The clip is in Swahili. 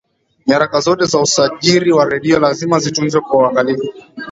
nyaraka zote za usajiri wa redio lazima zitunzwe kwa uangalifu